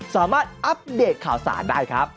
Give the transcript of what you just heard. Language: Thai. สามารถอัปเดตข่าวสารได้ครับ